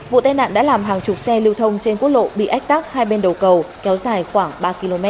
vụ tai nạn đã làm hàng chục xe lưu thông trên quốc lộ bị ách tắc hai bên đầu cầu kéo dài khoảng ba km